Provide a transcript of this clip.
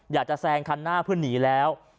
อยากจะแซงคันหน้าเพื่อนหนีแล้ว